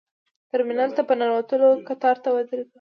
ترمینل ته په ننوتلو کتار ته ودرېدو.